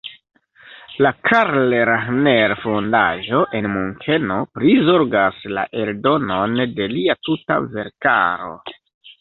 La Karl-Rahner-Fondaĵo en Munkeno prizorgas la eldonon de lia tuta verkaro.